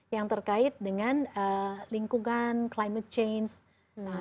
yang terkait dengan lingkungan climate change